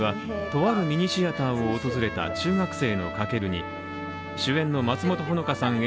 物語は、とあるミニシアターを訪れた中学生のカケルに主演の松本穂香さん